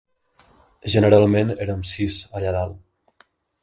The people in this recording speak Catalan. Generalment érem sis, allà dalt.